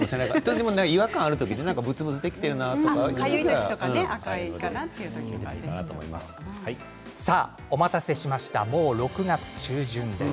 でもね、違和感がある時ぶつぶつができている時とかね。お待たせしましたもう６月中旬です。